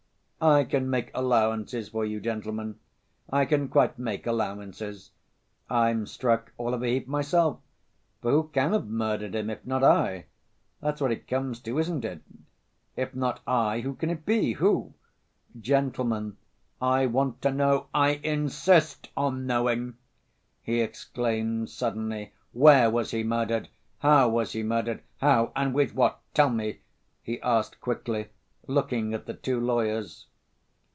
I can make allowances for you, gentlemen, I can quite make allowances. I'm struck all of a heap myself, for who can have murdered him, if not I? That's what it comes to, isn't it? If not I, who can it be, who? Gentlemen, I want to know, I insist on knowing!" he exclaimed suddenly. "Where was he murdered? How was he murdered? How, and with what? Tell me," he asked quickly, looking at the two lawyers.